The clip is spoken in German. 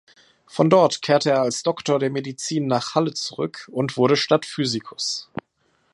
Von dort kehrte er als Doktor der Medizin nach Halle zurück und wurde Stadtphysikus.